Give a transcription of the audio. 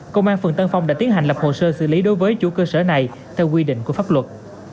công an phường tân phong đã tiến hành lập hồ sơ xử lý đối với chủ cơ sở này theo quy định của pháp luật